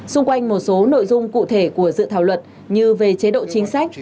xung quanh một số nội dung cụ thể của dự thảo luật như về chế độ chính sách